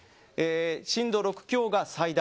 震度６強が最大。